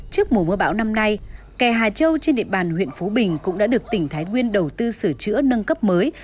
trước mùa mưa bão năm nay kè hà châu trên địa bàn huyện phú bình cũng đã được tỉnh thái nguyên đầu tư sửa chữa nâng cấp mới